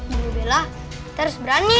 ibu bela kita harus berani